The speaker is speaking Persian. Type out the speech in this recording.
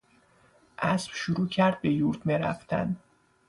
اسب شروع کرد به یورتمه رفتن.